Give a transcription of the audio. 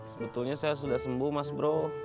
sebetulnya saya sudah sembuh mas bro